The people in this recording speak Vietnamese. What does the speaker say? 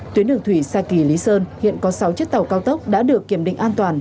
tuyến đường thủy xa kỳ lý sơn hiện có sáu chiếc tàu cao tốc đã được kiểm định an toàn